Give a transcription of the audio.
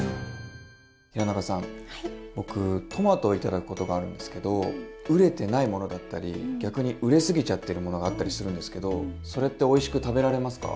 平仲さん僕トマトを頂くことがあるんですけど熟れてないものだったり逆に熟れすぎちゃってるものがあったりするんですけどそれっておいしく食べられますか？